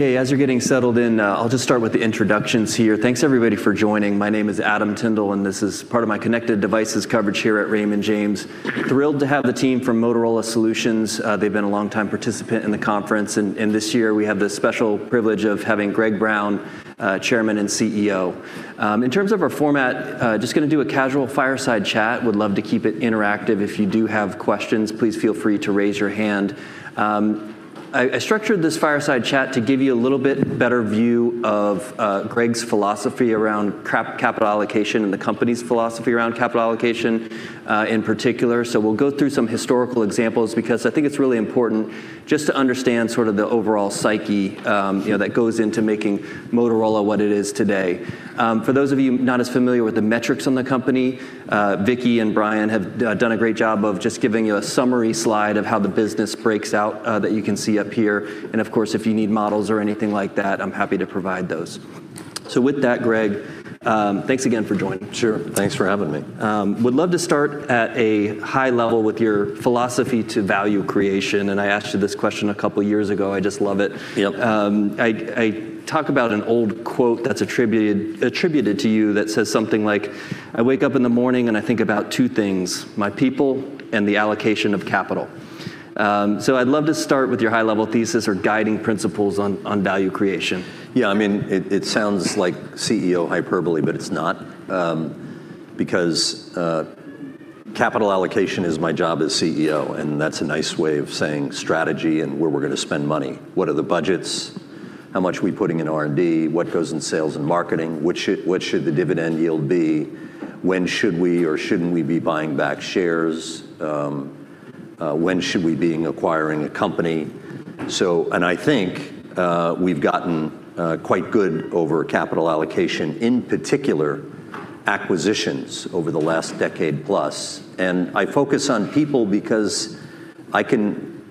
Okay, as you're getting settled in, I'll just start with the introductions here. Thanks everybody for joining. My name is Meta Marshall, and this is part of my connected devices coverage here at Raymond James. Thrilled to have the team from Motorola Solutions. They've been a long time participant in the conference, and this year we have the special privilege of having Greg Brown, Chairman and CEO. In terms of our format, just gonna do a casual fireside chat. Would love to keep it interactive. If you do have questions, please feel free to raise your hand. I structured this fireside chat to give you a little bit better view of Greg's philosophy around capital allocation and the company's philosophy around capital allocation in particular. We'll go through some historical examples because I think it's really important just to understand sort of the overall psyche, you know, that goes into making Motorola what it is today. For those of you not as familiar with the metrics on the company, Vicky and Brian have done a great job of just giving you a summary slide of how the business breaks out, that you can see up here. Of course, if you need models or anything like that, I'm happy to provide those. With that, Greg, thanks again for joining. Sure. Thanks for having me. Would love to start at a high level with your philosophy to value creation, and I asked you this question a couple years ago. I just love it. Yep. I talk about an old quote that's attributed to you that says something like, "I wake up in the morning, and I think about two things: my people and the allocation of capital." I'd love to start with your high level thesis or guiding principles on value creation. Yeah, I mean, it sounds like CEO hyperbole, but it's not, because capital allocation is my job as CEO. That's a nice way of saying strategy and where we're gonna spend money. What are the budgets? How much are we putting in R&D? What goes in sales and marketing? What should the dividend yield be? When should we or shouldn't we be buying back shares? When should we be acquiring a company? I think we've gotten quite good over capital allocation, in particular acquisitions over the last decade plus. I focus on people because I can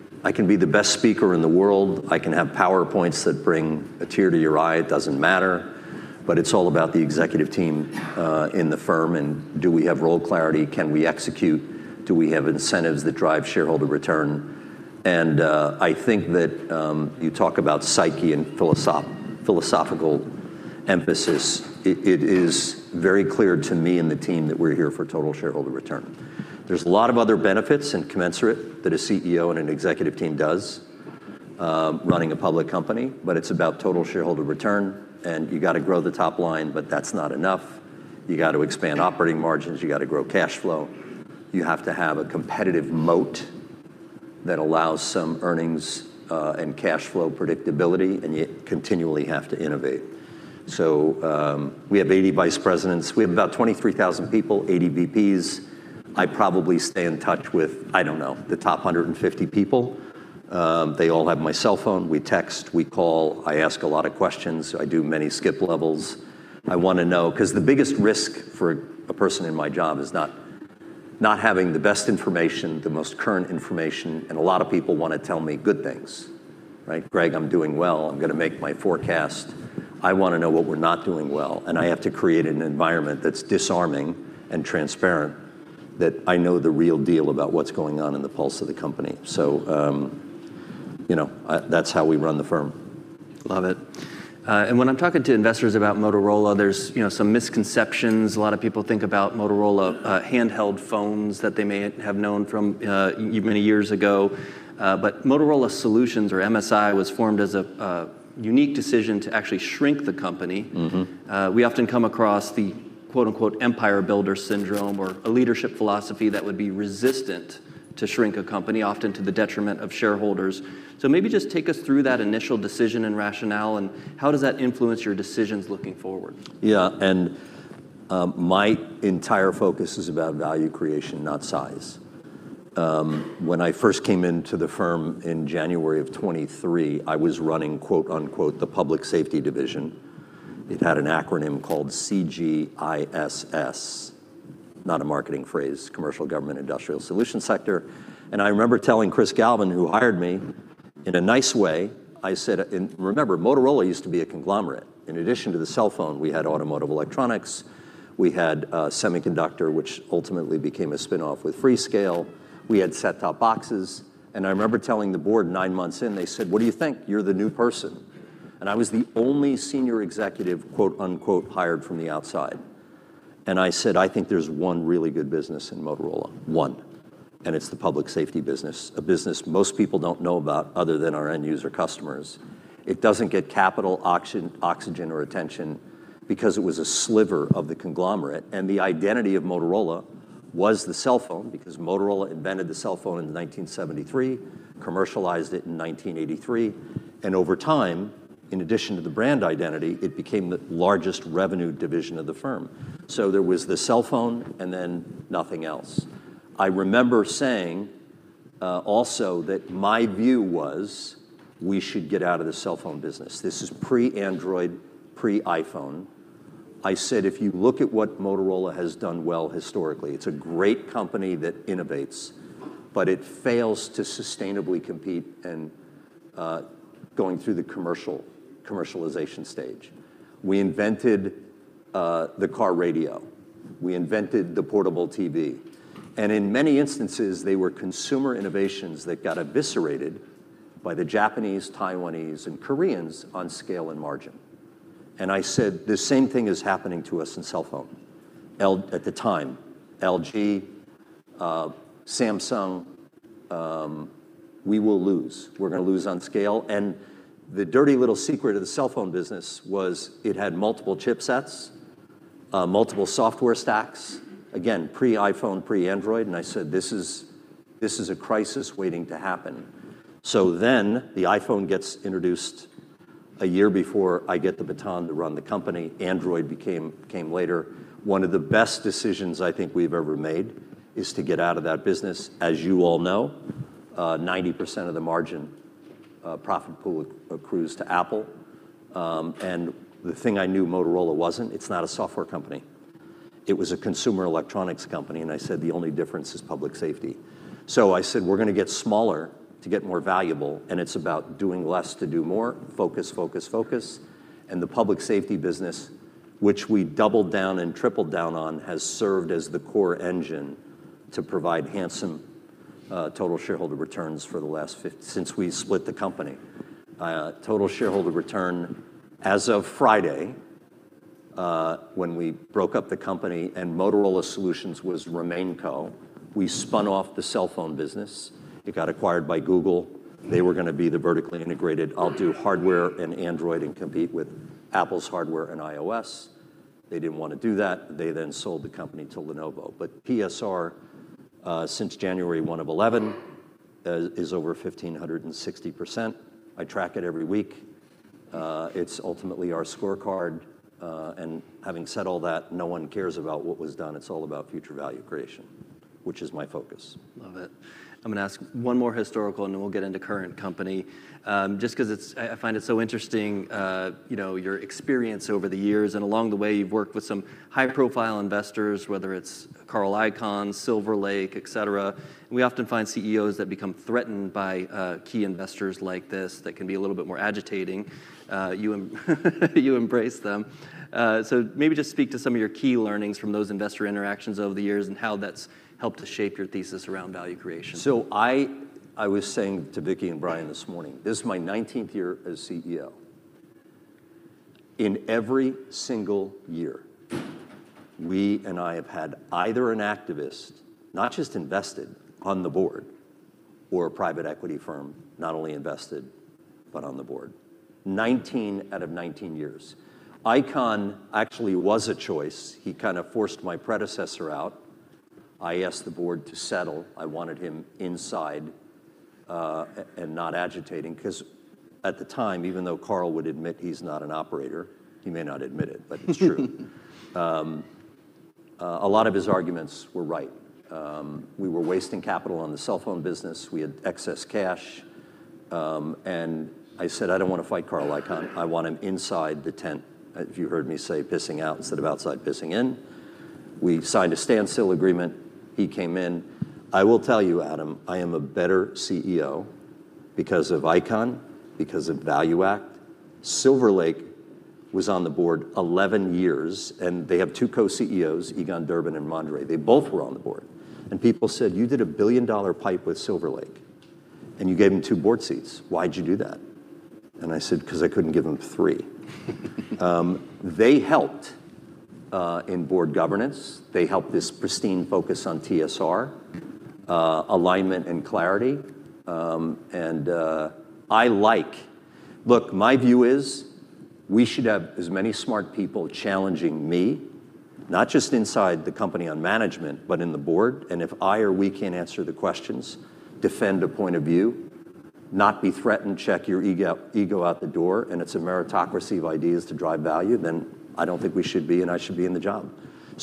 be the best speaker in the world. I can have PowerPoints that bring a tear to your eye. It doesn't matter. It's all about the executive team in the firm, and do we have role clarity? Can we execute? Do we have incentives that drive shareholder return? I think that you talk about psyche and philosophical emphasis. It is very clear to me and the team that we're here for total shareholder return. There's a lot of other benefits and commensurate that a CEO and an executive team does, running a public company, but it's about total shareholder return. You gotta grow the top line, but that's not enough. You gotta expand operating margins. You gotta grow cash flow. You have to have a competitive moat that allows some earnings and cash flow predictability, and you continually have to innovate. We have 80 vice presidents. We have about 23,000 people, 80 VPs. I probably stay in touch with, I don't know, the top 150 people. They all have my cell phone. We text, we call. I ask a lot of questions. I do many skip levels. I wanna know 'cause the biggest risk for a person in my job is not having the best information, the most current information, and a lot of people wanna tell me good things, right? "Greg, I'm doing well. I'm gonna make my forecast." I wanna know what we're not doing well, and I have to create an environment that's disarming and transparent, that I know the real deal about what's going on in the pulse of the company. You know, that's how we run the firm. Love it. When I'm talking to investors about Motorola, there's, you know, some misconceptions. A lot of people think about Motorola handheld phones that they may have known from many years ago. Motorola Solutions, or MSI, was formed as a unique decision to actually shrink the company. Mm-hmm. We often come across the, quote-unquote, "empire builder syndrome" or a leadership philosophy that would be resistant to shrink a company, often to the detriment of shareholders. Maybe just take us through that initial decision and rationale, and how does that influence your decisions looking forward? My entire focus is about value creation, not size. When I first came into the firm in January of 2023, I was running, quote-unquote, "the public safety division." It had an acronym called CGISS. Not a marketing phrase. Commercial Government Industrial Solution Sector. I remember telling Chris Galvin, who hired me, in a nice way, I said. Remember, Motorola used to be a conglomerate. In addition to the cell phone, we had automotive electronics. We had a semiconductor which ultimately became a spin-off with Freescale. We had set-top boxes. I remember telling the board 9 months in, they said, "What do you think? You're the new person." I was the only senior executive, quote-unquote, "hired from the outside." I said, "I think there's 1 really good business in Motorola. 1. It's the public safety business, a business most people don't know about other than our end user customers. It doesn't get capital, oxygen, or attention because it was a sliver of the conglomerate, and the identity of Motorola was the cell phone because Motorola invented the cell phone in 1973, commercialized it in 1983, and over time, in addition to the brand identity, it became the largest revenue division of the firm. There was the cell phone and then nothing else. I remember saying also that my view was we should get out of the cell phone business. This is pre-Android, pre-iPhone. I said, "If you look at what Motorola has done well historically, it's a great company that innovates, but it fails to sustainably compete in going through the commercialization stage. We invented the car radio. We invented the portable TV. In many instances, they were consumer innovations that got eviscerated by the Japanese, Taiwanese, and Koreans on scale and margin. I said, "The same thing is happening to us in cellphone." At the time, LG, Samsung, we will lose. Mm-hmm. We're gonna lose on scale. The dirty little secret of the cellphone business was it had multiple chipsets, multiple software stacks. Again, pre-iPhone, pre-Android, I said, "This is a crisis waiting to happen." The iPhone gets introduced a year before I get the baton to run the company. Android came later. One of the best decisions I think we've ever made is to get out of that business. As you all know, 90% of the margin profit pool accrues to Apple. The thing I knew Motorola, it's not a software company. It was a consumer electronics company, I said, "The only difference is public safety." I said, "We're gonna get smaller to get more valuable, it's about doing less to do more. Focus, focus." The public safety business, which we doubled down and tripled down on, has served as the core engine to provide handsome total shareholder returns since we split the company. Total shareholder return as of Friday, when we broke up the company and Motorola Solutions was RemainCo, we spun off the cellphone business. It got acquired by Google. They were gonna be the vertically integrated, I'll do hardware and Android and compete with Apple's hardware and iOS. They didn't wanna do that. They then sold the company to Lenovo. PSR, since January 1, 2011, is over 1,560%. I track it every week. It's ultimately our scorecard. Having said all that, no one cares about what was done. It's all about future value creation, which is my focus. Love it. I'm gonna ask one more historical, and then we'll get into current company. just 'cause I find it so interesting, you know, your experience over the years, and along the way you've worked with some high-profile investors, whether it's Carl Icahn, Silver Lake, et cetera. We often find CEOs that become threatened by, key investors like this that can be a little bit more agitating. you embrace them. Maybe just speak to some of your key learnings from those investor interactions over the years and how that's helped to shape your thesis around value creation. I was saying to Vicky and Brian this morning, this is my 19th year as CEO. In every single year, we and I have had either an activist, not just invested on the board, or a private equity firm, not only invested, but on the board. 19 out of 19 years. Icahn actually was a choice. He kind of forced my predecessor out. I asked the board to settle. I wanted him inside, and not agitating, 'cause at the time, even though Carl would admit he's not an operator, he may not admit it, but it's true. A lot of his arguments were right. We were wasting capital on the cellphone business. We had excess cash. I said, "I don't wanna fight Carl Icahn. I want him inside the tent." If you heard me say pissing out instead of outside, pissing in. We signed a standstill agreement. He came in. I will tell you, Adam, I am a better CEO because of Icahn, because of ValueAct. Silver Lake was on the board 11 years, they have 2 co-CEOs, Egon Durban and Greg Mondre. They both were on the board. People said, "You did a $1 billion pipe with Silver Lake, and you gave them 2 board seats. Why'd you do that?" I said, "'Cause I couldn't give them 3." They helped in board governance. They helped this pristine focus on TSR, alignment and clarity. Look, my view is, we should have as many smart people challenging me, not just inside the company on management, but in the board. If I or we can't answer the questions, defend a point of view, not be threatened, check your ego out the door, and it's a meritocracy of ideas to drive value, then I don't think we should be and I should be in the job.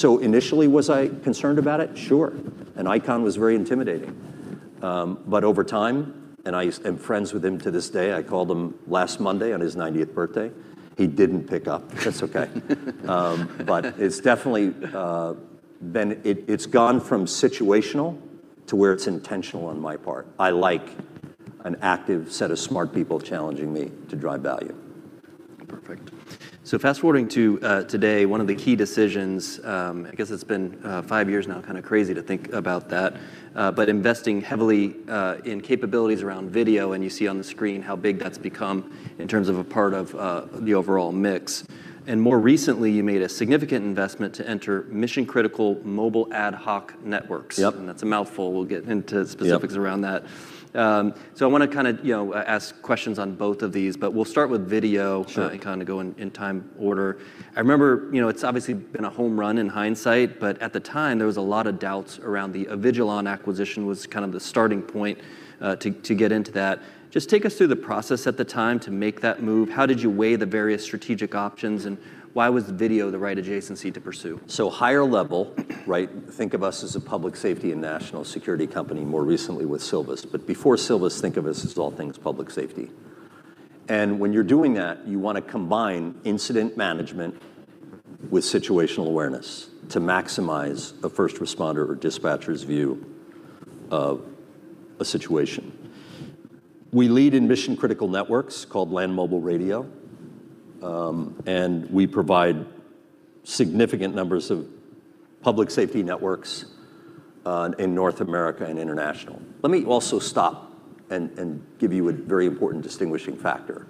Initially, was I concerned about it? Sure. Icahn was very intimidating. Over time, and I am friends with him to this day, I called him last Monday on his 90th birthday. He didn't pick up. That's okay. It's definitely been. It's gone from situational to where it's intentional on my part. I like an active set of smart people challenging me to drive value. Perfect. Fast-forwarding to today, one of the key decisions, I guess it's been five years now, kinda crazy to think about that. Investing heavily in capabilities around video, and you see on the screen how big that's become in terms of a part of the overall mix. More recently, you made a significant investment to enter mission critical mobile ad hoc networks. Yep. That's a mouthful. We'll get into. Yeah... specifics around that. I wanna kinda, you know, ask questions on both of these, but we'll start with video- Sure... and kind of go in time order. I remember, you know, it's obviously been a home run in hindsight, but at the time, there was a lot of doubts around the Avigilon acquisition was kind of the starting point to get into that. Just take us through the process at the time to make that move. How did you weigh the various strategic options, and why was video the right adjacency to pursue? Higher level, right? Think of us as a public safety and national security company more recently with Silvus. Before Silvus, think of us as all things public safety. When you're doing that, you wanna combine incident management with situational awareness to maximize a first responder or dispatcher's view of a situation. We lead in mission critical networks called Land Mobile Radio, and we provide significant numbers of public safety networks in North America and international. Let me also stop and give you a very important distinguishing factor.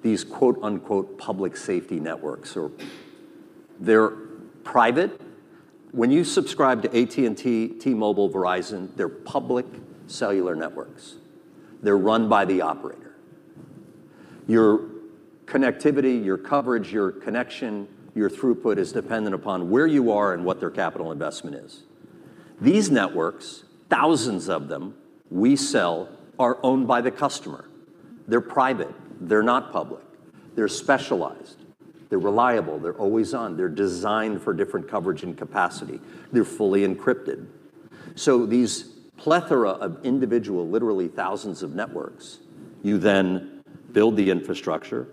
These quote-unquote public safety networks are private. When you subscribe to AT&T, T-Mobile, Verizon, they're public cellular networks. They're run by the operator. Your connectivity, your coverage, your connection, your throughput is dependent upon where you are and what their capital investment is. These networks, thousands of them, we sell, are owned by the customer. They're private. They're not public. They're specialized. They're reliable. They're always on. They're designed for different coverage and capacity. They're fully encrypted. These plethora of individual, literally thousands of networks, you then build the infrastructure,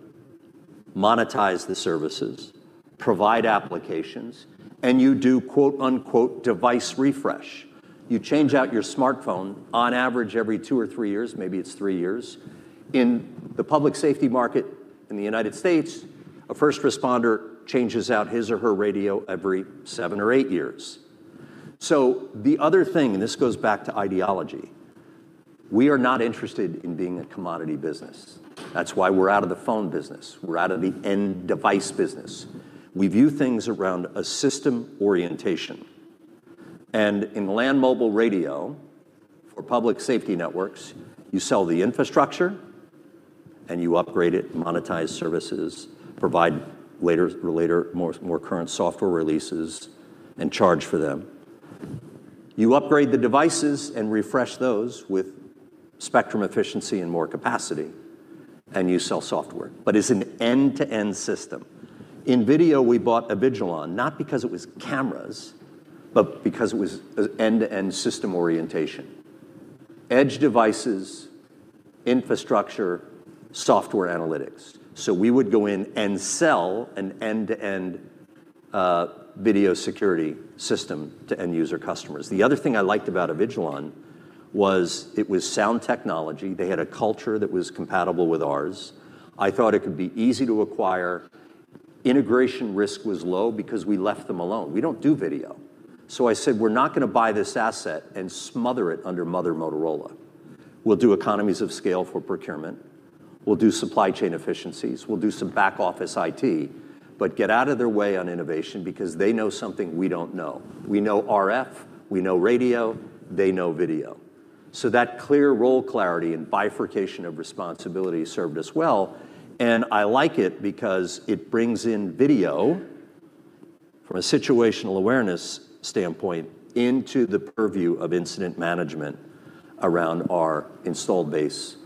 monetize the services, provide applications, and you do quote-unquote device refresh. You change out your smartphone on average every two or three years, maybe it's three years. In the public safety market in the United States, a first responder changes out his or her radio every seven or eight years. The other thing, and this goes back to ideology, we are not interested in being a commodity business. That's why we're out of the phone business. We're out of the end device business. We view things around a system orientation. In Land Mobile Radio for public safety networks, you sell the infrastructure, and you upgrade it, monetize services, provide later more current software releases, and charge for them. You upgrade the devices and refresh those with spectrum efficiency and more capacity, and you sell software. It's an end-to-end system. In video, we bought Avigilon, not because it was cameras, but because it was an end-to-end system orientation. Edge devices, infrastructure, software analytics. We would go in and sell an end-to-end video security system to end user customers. The other thing I liked about Avigilon was it was sound technology. They had a culture that was compatible with ours. I thought it could be easy to acquire. Integration risk was low because we left them alone. We don't do video. I said, "We're not gonna buy this asset and smother it under Mother Motorola. We'll do economies of scale for procurement. We'll do supply chain efficiencies. We'll do some back office IT, but get out of their way on innovation because they know something we don't know. We know RF, we know radio, they know video." That clear role clarity and bifurcation of responsibility served us well, and I like it because it brings in video from a situational awareness standpoint into the purview of incident management around our installed base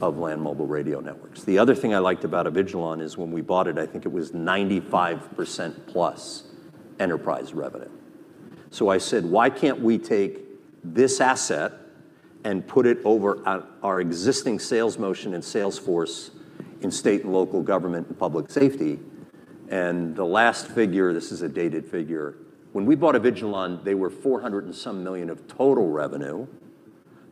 of Land Mobile Radio networks. The other thing I liked about Avigilon is when we bought it, I think it was 95%+ enterprise revenue. I said, "Why can't we take this asset and put it over our existing sales motion and sales force in state and local government and public safety?" The last figure, this is a dated figure, when we bought Avigilon, they were $400 and some million of total revenue.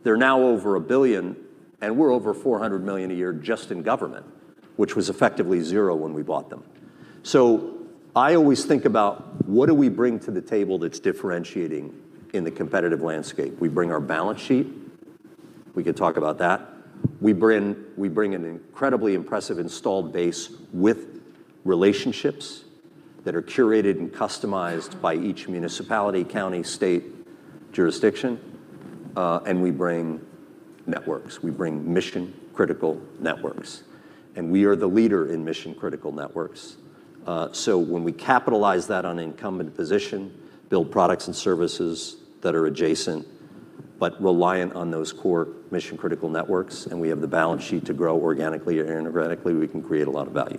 They're now over $1 billion, and we're over $400 million a year just in government, which was effectively zero when we bought them. I always think about what do we bring to the table that's differentiating in the competitive landscape? We bring our balance sheet. We could talk about that. We bring an incredibly impressive installed base with relationships that are curated and customized by each municipality, county, state jurisdiction, and we bring networks. We bring mission critical networks, and we are the leader in mission critical networks. When we capitalize that on incumbent position, build products and services that are adjacent but reliant on those core mission critical networks, and we have the balance sheet to grow organically or inorganically, we can create a lot of value.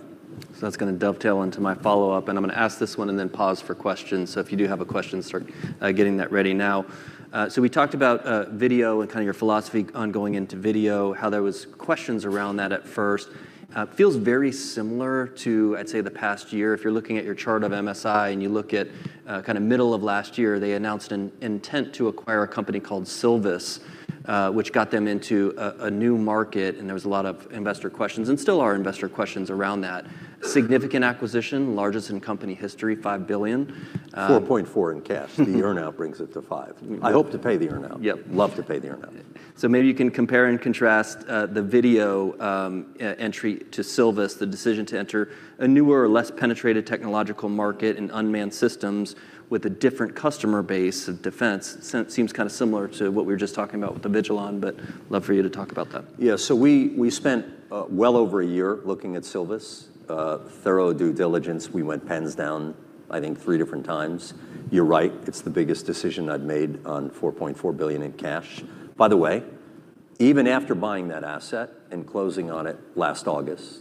That's gonna dovetail into my follow-up, and I'm gonna ask this one and then pause for questions, so if you do have a question, start getting that ready now. We talked about video and kinda your philosophy on going into video, how there was questions around that at first. Feels very similar to, I'd say, the past year. If you're looking at your chart of MSI, and you look at kinda middle of last year, they announced an intent to acquire a company called Silvus, which got them into a new market, and there was a lot of investor questions and still are investor questions around that. Significant acquisition, largest in company history, $5 billion. $4.4 billion in cash. The earn-out brings it to $5 billion. I hope to pay the earn-out. Yep. Love to pay the earn-out. Maybe you can compare and contrast, the video, e-entry to Silvus, the decision to enter a newer or less penetrated technological market in unmanned systems with a different customer base of defense. Seems kinda similar to what we were just talking about with Avigilon, but love for you to talk about that. We spent well over a year looking at Silvus, thorough due diligence. We went pens down, I think, three different times. You're right, it's the biggest decision I'd made on $4.4 billion in cash. Even after buying that asset and closing on it last August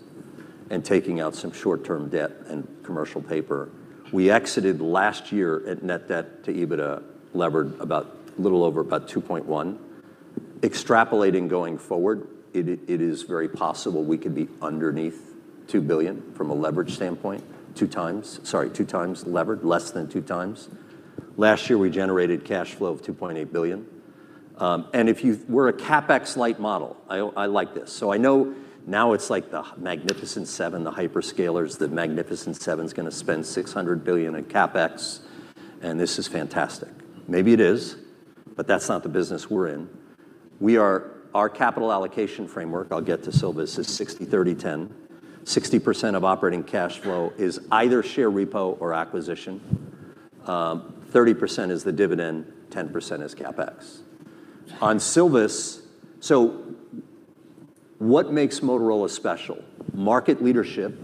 and taking out some short-term debt and commercial paper, we exited last year at net debt to EBITDA levered about, little over about 2.1. Extrapolating going forward, it is very possible we could be underneath $2 billion from a leverage standpoint, Sorry, 2x levered, less than 2x. Last year, we generated cash flow of $2.8 billion. We're a CapEx-light model. I like this. I know now it's like the Magnificent Seven, the hyperscalers. The Magnificent Seven's gonna spend $600 billion in CapEx, and this is fantastic. Maybe it is, that's not the business we're in. Our capital allocation framework, I'll get to Silvus, is 60/30/10. 60% of operating cash flow is either share repo or acquisition. 30% is the dividend, 10% is CapEx. On Silvus, what makes Motorola special? Market leadership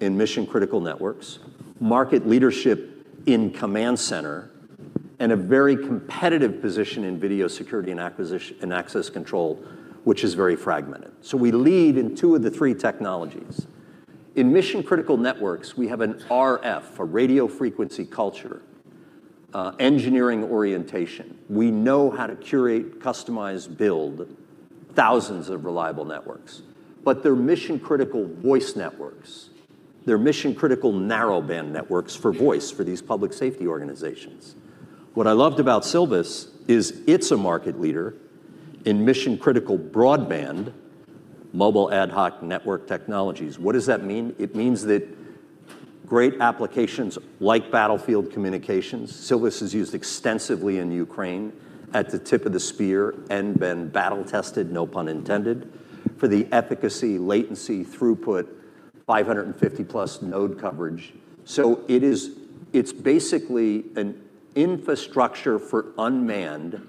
in mission-critical networks, market leadership in command center, and a very competitive position in video security and access control, which is very fragmented. We lead in 2 of the 3 technologies. In mission-critical networks, we have an RF, a radio frequency culture, engineering orientation. We know how to curate, customize, build thousands of reliable networks. They're mission-critical voice networks. They're mission-critical narrowband networks for voice for these public safety organizations. What I loved about Silvus is it's a market leader in mission-critical broadband, mobile ad hoc network technologies. What does that mean? It means that great applications like battlefield communications, Silvus is used extensively in Ukraine at the tip of the spear and been battle-tested, no pun intended, for the efficacy, latency, throughput, 550+ node coverage. It's basically an infrastructure for unmanned,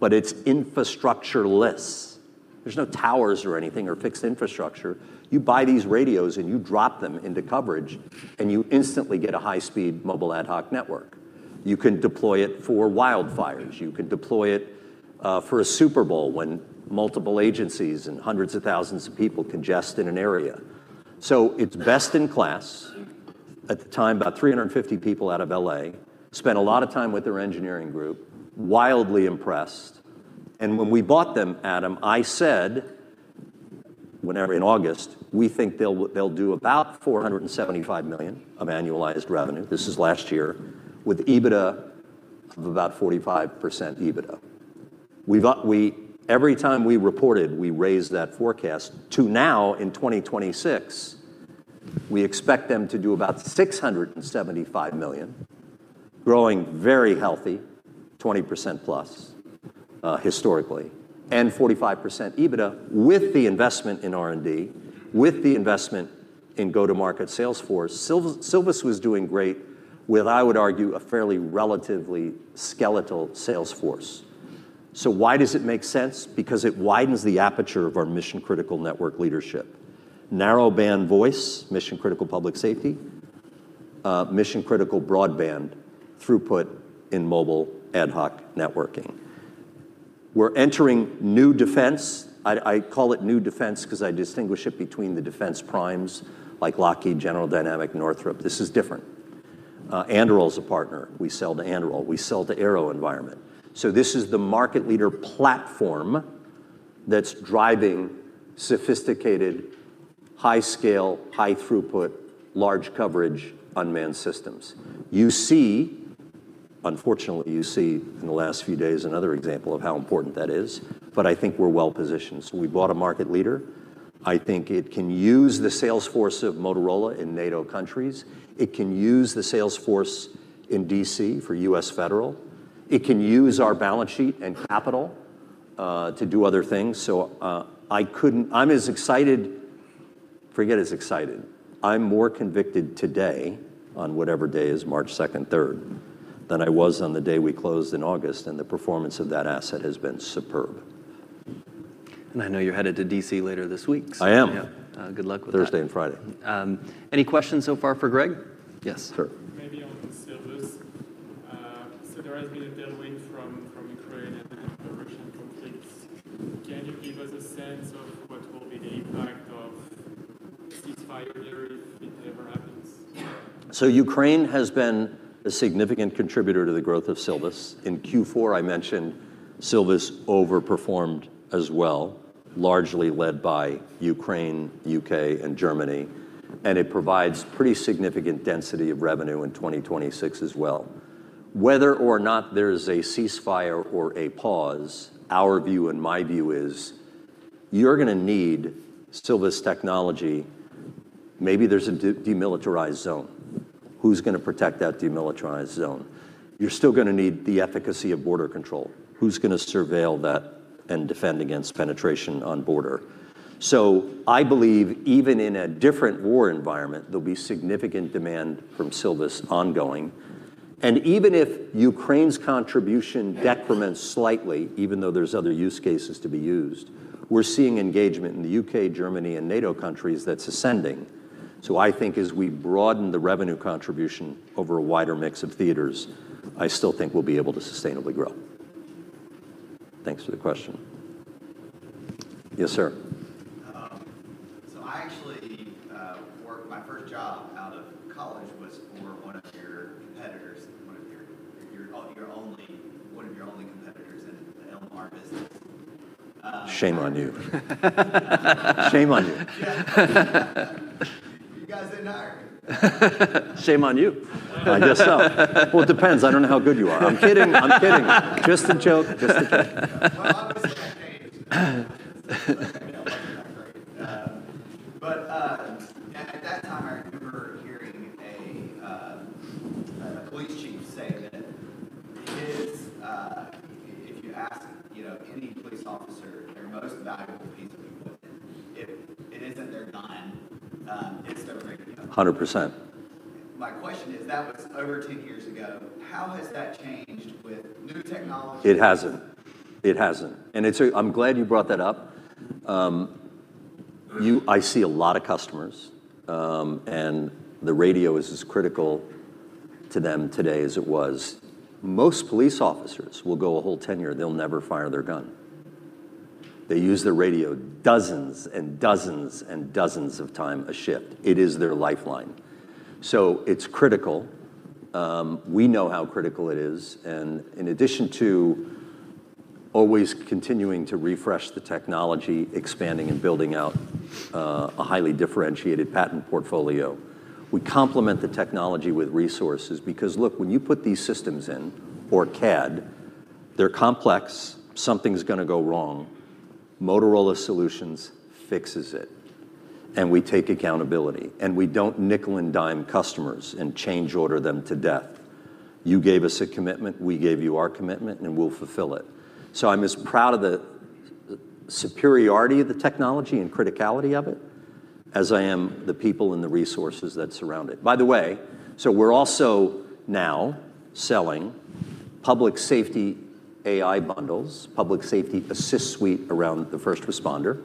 but it's infrastructureless. There's no towers or anything or fixed infrastructure. You buy these radios, and you drop them into coverage, and you instantly get a high-speed mobile ad hoc network. You can deploy it for wildfires. You can deploy it for a Super Bowl when multiple agencies and hundreds of thousands of people congest in an area. It's best in class. At the time, about 350 people out of L.A. spent a lot of time with their engineering group, wildly impressed. When we bought them, Adam, I said, whenever in August, we think they'll do about $475 million of annualized revenue, this is last year, with EBITDA of about 45% EBITDA. Every time we reported, we raised that forecast to now in 2026, we expect them to do about $675 million, growing very healthy, 20%+, historically, and 45% EBITDA with the investment in R&D, with the investment in go-to-market sales force. Silvus was doing great with, I would argue, a fairly relatively skeletal sales force. Why does it make sense? Because it widens the aperture of our mission-critical network leadership. Narrowband voice, mission-critical public safety, mission-critical broadband throughput in mobile ad hoc networking. We're entering new defense. I call it new defense 'cause I distinguish it between the defense primes like Lockheed, General Dynamics, Northrop. This is different. Anduril is a partner. We sell to Anduril. We sell to AeroVironment. This is the market leader platform that's driving sophisticated, high scale, high throughput, large coverage unmanned systems. You see, unfortunately, you see in the last few days another example of how important that is, but I think we're well-positioned. We bought a market leader. I think it can use the sales force of Motorola in NATO countries. It can use the sales force in D.C. for U.S. federal. It can use our balance sheet and capital to do other things. Forget as excited. I'm more convicted today on whatever day is March 2nd, 3rd, than I was on the day we closed in August, and the performance of that asset has been superb. I know you're headed to D.C. later this week. I am. Yeah. Good luck with that. Thursday and Friday. Any questions so far for Greg? Yes. Sure. Maybe on Silvus. There has been a tailwind from Ukraine and the Russian conflicts. Can you give us a sense of what will be the impact of ceasefire if it ever happens? Ukraine has been a significant contributor to the growth of Silvus. In Q4, I mentioned Silvus overperformed as well, largely led by Ukraine, UK, and Germany. It provides pretty significant density of revenue in 2026 as well. Whether or not there's a ceasefire or a pause, our view and my view is you're gonna need Silvus technology. Maybe there's a demilitarized zone. Who's gonna protect that demilitarized zone? You're still gonna need the efficacy of border control. Who's gonna surveil that and defend against penetration on border? I believe even in a different war environment, there'll be significant demand from Silvus ongoing. Even if Ukraine's contribution decrements slightly, even though there's other use cases to be used, we're seeing engagement in the UK, Germany, and NATO countries that's ascending. I think as we broaden the revenue contribution over a wider mix of theaters, I still think we'll be able to sustainably grow. Thanks for the question. Yes, sir. I actually My first job out of college was for one of your competitors, one of your only Shame on you. Shame on you. You guys didn't hire me. Shame on you. I guess so. Well, it depends. I don't know how good you are. I'm kidding. I'm kidding. Just a joke. Just a joke. Well, a lot of things have changed. Yeah, at that time I remember hearing a police chief say that his if you ask, you know, any police officer their most valuable piece of equipment, it isn't their gun, it's their radio. 100%. My question is, that was over 10 years ago. How has that changed with new technology? It hasn't. It hasn't. It's I'm glad you brought that up. I see a lot of customers, the radio is as critical to them today as it was. Most police officers will go a whole tenure, they'll never fire their gun. They use their radio dozens, and dozens, and dozens of time a shift. It is their lifeline. It's critical. We know how critical it is, in addition to always continuing to refresh the technology, expanding and building out, a highly differentiated patent portfolio, we complement the technology with resources. Look, when you put these systems in or CAD, they're complex, something's gonna go wrong. Motorola Solutions fixes it, we take accountability, we don't nickel and dime customers and change order them to death. You gave us a commitment, we gave you our commitment, and we'll fulfill it. I'm as proud of the superiority of the technology and criticality of it, as I am the people and the resources that surround it. By the way, we're also now selling public safety AI bundles, public safety assist suite around the first responder,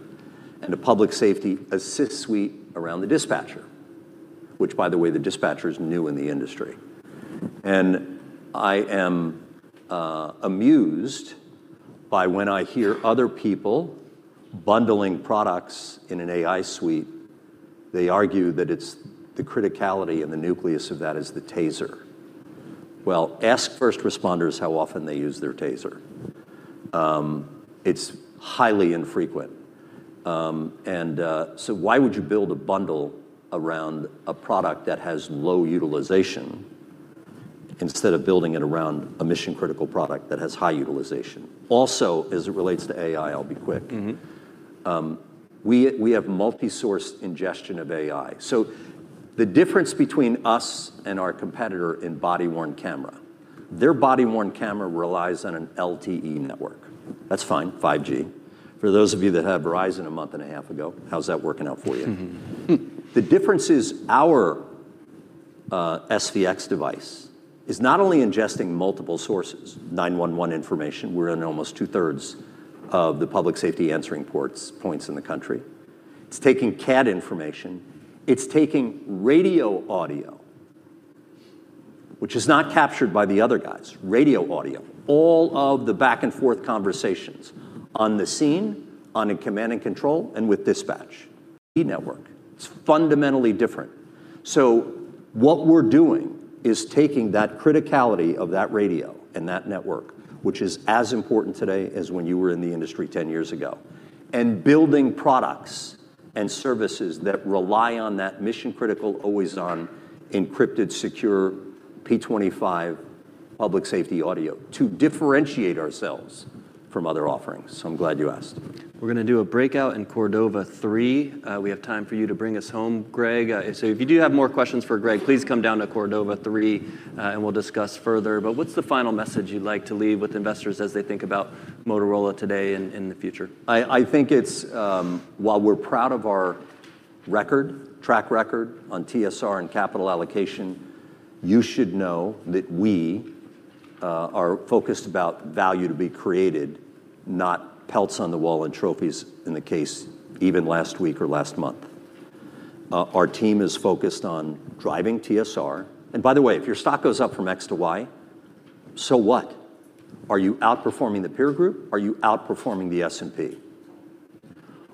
and a public safety assist suite around the dispatcher, which by the way, the dispatcher's new in the industry. I am amused by when I hear other people bundling products in an AI suite, they argue that it's the criticality and the nucleus of that is the taser. Well, ask first responders how often they use their taser. It's highly infrequent. Why would you build a bundle around a product that has low utilization instead of building it around a mission-critical product that has high utilization? Also, as it relates to AI, I'll be quick. Mm-hmm. We have multi-source ingestion of AI. The difference between us and our competitor in body-worn camera, their body-worn camera relies on an LTE network. That's fine, 5G. For those of you that had Verizon a month and a half ago, how's that working out for you? Mm-hmm. The difference is our SVX device is not only ingesting multiple sources, 911 information. We're in almost 2/3 of the Public Safety Answering Points in the country. It's taking CAD information. It's taking radio audio, which is not captured by the other guys, radio audio. All of the back and forth conversations on the scene, on a command and control, and with dispatch. E-network. It's fundamentally different. What we're doing is taking that criticality of that radio and that network, which is as important today as when you were in the industry 10 years ago, and building products and services that rely on that mission critical, always on, encrypted, secure, P25 public safety audio to differentiate ourselves from other offerings. I'm glad you asked. We're gonna do a breakout in Cordova 3. We have time for you to bring us home, Greg. If you do have more questions for Greg, please come down to Cordova 3, and we'll discuss further. What's the final message you'd like to leave with investors as they think about Motorola today in the future? I think it's while we're proud of our record, track record on TSR and capital allocation, you should know that we are focused about value to be created, not pelts on the wall and trophies in the case even last week or last month. Our team is focused on driving TSR. By the way, if your stock goes up from X to Y, so what? Are you outperforming the peer group? Are you outperforming the S&P?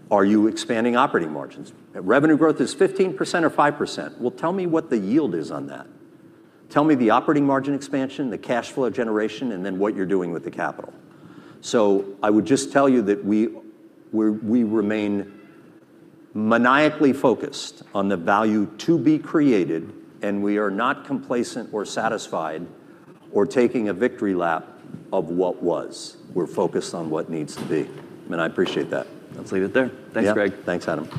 Are you expanding operating margins? Revenue growth is 15% or 5%. Well, tell me what the yield is on that. Tell me the operating margin expansion, the cash flow generation, and then what you're doing with the capital. I would just tell you that we remain maniacally focused on the value to be created, and we are not complacent, or satisfied, or taking a victory lap of what was. We're focused on what needs to be. I appreciate that. Let's leave it there. Yeah. Thanks, Greg. Thanks, Adam.